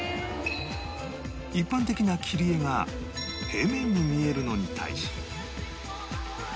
一般的な切り絵が平面に見えるのに対し